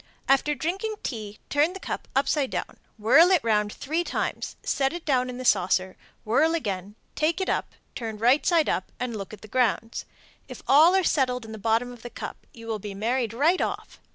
After drinking tea, turn the cup upside down, whirl it round three times, set it down in the saucer, whirl again, take it up, turn right side up, and look at the grounds. If all are settled in the bottom of the cup, you will be married right off.